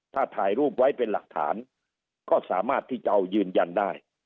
ถ้าถ่ายรูปไว้เป็นหลักฐานก็สามารถที่จะเอายืนยันได้